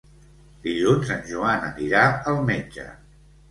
Dilluns en Joan anirà al metge.